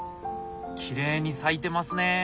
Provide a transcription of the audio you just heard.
きれいに咲いてますね。